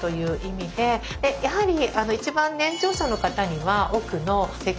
でやはり一番年長者の方には奥の席。